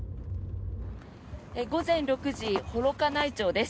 午前６時、幌加内町です。